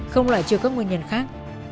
không loại trừ các nguyên nhân khác